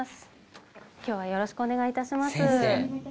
今日はよろしくお願い致します。